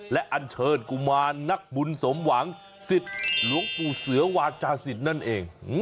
และอันเชิญกุมารนักบุญสมหวังสิทธิ์หลวงปู่เสือวาจาศิษย์นั่นเอง